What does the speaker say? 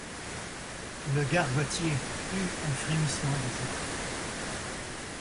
Le gargotier eut un frémissement de joie.